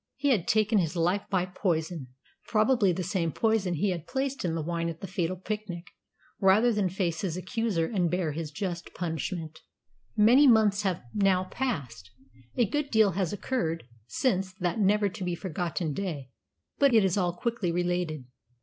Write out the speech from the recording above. He had taken his life by poison probably the same poison he had placed in the wine at the fatal picnic rather than face his accuser and bear his just punishment. Many months have now passed. A good deal has occurred since that never to be forgotten day, but it is all quickly related.